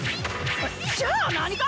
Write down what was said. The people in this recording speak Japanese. じゃあ何か！？